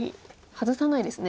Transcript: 外さないですね。